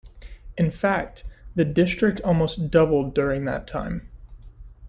In fact, the district almost doubled during that time.